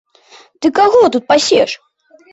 Ты каго тут пасеш!